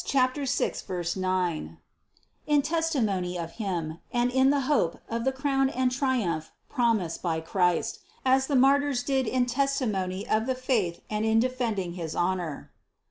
6, 9) in testimony of Him and in the hope of the crown and triumph prom ised by Christ, as the martyrs did in testimony of the faith and in defending his honor.